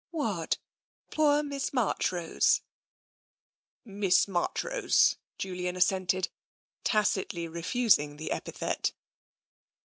What, poor Miss Marchrose ?" Miss Marchrose," Julian assented, tacitly refusing the epithet.